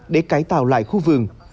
để cải tạo lại khu vườn